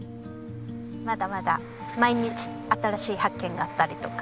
まだまだ毎日新しい発見があったりとか。